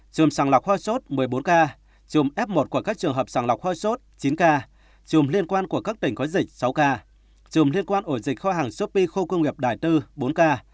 trùm sàng lọc hoa sốt một mươi bốn ca trùm f một của các trường hợp sàng lọc hoa sốt chín ca trùm liên quan của các tỉnh có dịch sáu ca trùm liên quan ổ dịch kho hàng shopee khô cương nghiệp đài tư bốn ca